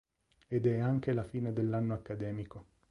Ed è anche la fine dell'anno accademico.